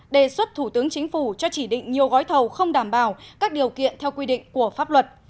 đề xuất thủ tướng chính phủ cho chỉ định nhiều gói thầu không đảm bảo các điều kiện theo quy định của pháp luật